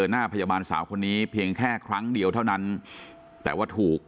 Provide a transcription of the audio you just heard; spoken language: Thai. หน้าพยาบาลสาวคนนี้เพียงแค่ครั้งเดียวเท่านั้นแต่ว่าถูก